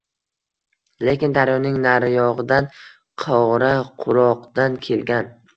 Lekin daryoning nariyog‘idan qoraquroqdan kelgan